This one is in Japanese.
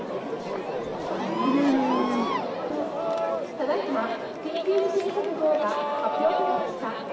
ただ今、緊急地震速報が発表されました。